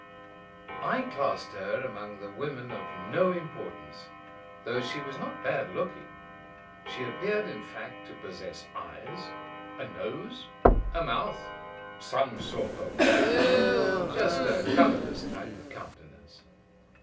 "I classed her among the women of no importance, though she was not bad looking; she appeared, in fact, to possess eyes, a nose, a mouth, some sort of hair just a colorless type of countenance.